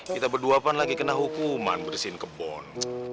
kita berdua kan lagi kena hukuman bersihin kebun